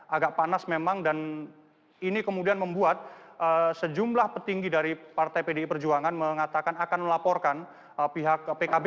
agak panas memang dan ini kemudian membuat sejumlah petinggi dari partai pdi perjuangan mengatakan akan melaporkan pihak pkb